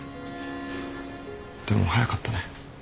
でも早かったね。